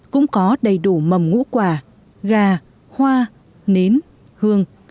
cũng có đầy đủ mầm ngũ quả gà hoa nến hương